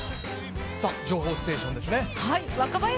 情報ステーションですね。